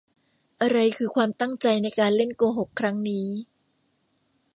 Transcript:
อะไรคือความตั้งใจในการเล่นโกหกครั้งนี้ ?